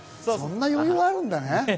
そんな余裕があるんだね。